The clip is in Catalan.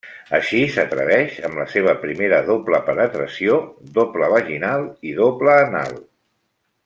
Així s'atreveix amb la seva primera doble penetració, doble vaginal i doble anal.